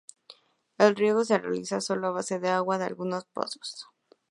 El riego se realiza sólo a base de agua de algunos pozos.